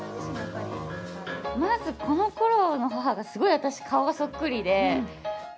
まず、このころの母が私、すごい顔がそっくりで。